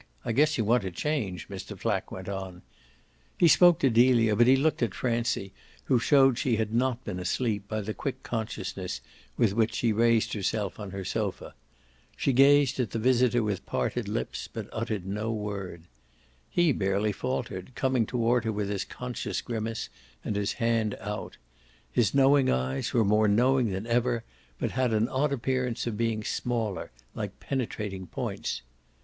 I guess you want a change," Mr. Flack went on. He spoke to Delia but he looked at Francie, who showed she had not been asleep by the quick consciousness with which she raised herself on her sofa. She gazed at the visitor with parted lips, but uttered no word. He barely faltered, coming toward her with his conscious grimace and his hand out. His knowing eyes were more knowing than ever, but had an odd appearance of being smaller, like penetrating points.